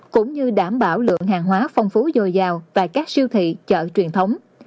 cũng như đảm bảo lượng hàng hóa phong phú dồi dào tại các siêu thị chợ truyền thống